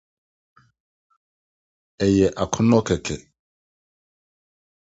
Ɛyɛ akɔnnɔ kɛkɛ.